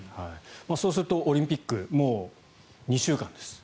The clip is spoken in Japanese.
そうするとオリンピックもう２週間です。